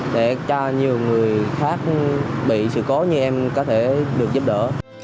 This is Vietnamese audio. để cho nhiều người khác bị sự cố như em có thể được giúp đỡ